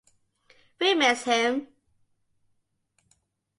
We'll miss him.